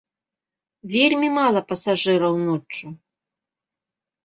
Вельмі мала пасажыраў ноччу.